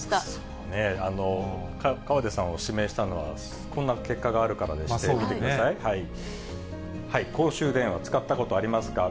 河出さんを指名したのは、こんな結果があるからでして、公衆電話使ったことありますか？